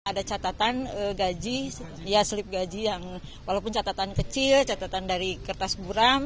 ada catatan gaji ya selip gaji yang walaupun catatan kecil catatan dari kertas buram